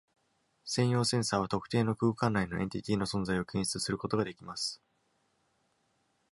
占用センサーは特定の空間内のエンティティの存在を検出することができます。